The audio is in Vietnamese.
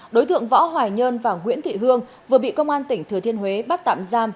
đối tượng võ hoài nhơn và nguyễn thị hương vừa bị công an tỉnh thừa thiên huế bắt tạm giam